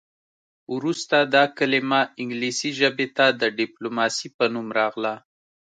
وروسته دا کلمه انګلیسي ژبې ته د ډیپلوماسي په نوم راغله